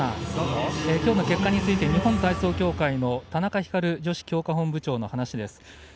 きょうの結果について日本体操協会の田中光女子強化委員長のことばです。